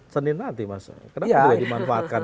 senin nanti mas kenapa tidak dimanfaatkan